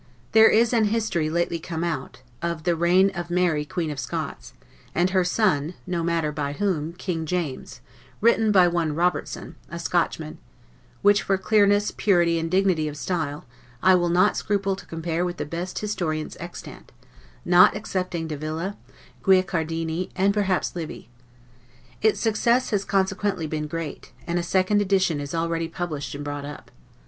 There is an history lately come out, of the "Reign of Mary Queen of Scots" and her son (no matter by whom) King James, written by one Robertson, a Scotchman, which for clearness, purity, and dignity of style, I will not scruple to compare with the best historians extant, not excepting Davila, Guicciardini, and perhaps Livy. Its success has consequently been great, and a second edition is already published and bought up.